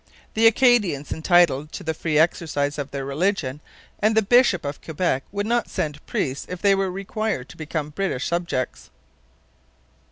The Acadians were entitled to the free exercise of their religion, and the bishop of Quebec would not send priests if they were required to become British subjects.